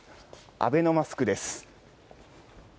アベノマスクです。